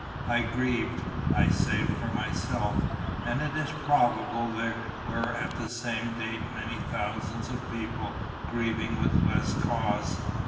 I grieved, I say, for myself; and it is probable there were at the same date many thousands of persons grieving with less cause.